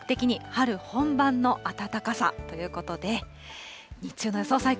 全国的に春本番の暖かさということで、日中の予想